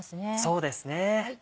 そうですね。